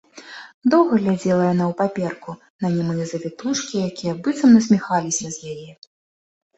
Доўга глядзела яна ў паперку, на нямыя завітушкі, якія быццам насміхаліся з яе.